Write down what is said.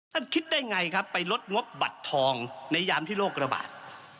คิดได้ไงครับไปลดงบบัตรทองในยามที่โรคระบาด